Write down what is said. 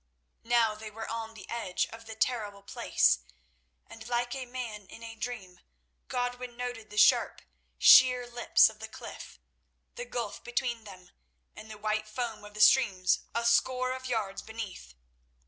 Now they were on the edge of the terrible place, and, like a man in a dream, Godwin noted the sharp, sheer lips of the cliff, the gulf between them, and the white foam of the stream a score of yards beneath.